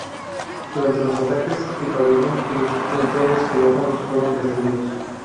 Durante los ataques, el pabellón quirúrgico y todos los quirófanos fueron destruidos.